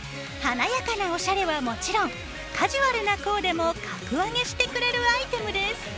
華やかなおしゃれはもちろんカジュアルなコーデも格上げしてくれるアイテムです。